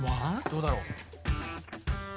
どうだろう？